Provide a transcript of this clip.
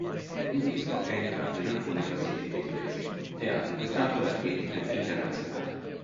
Il disco è entrato in alcune classifiche inglesi e ha conquistato la critica internazionale.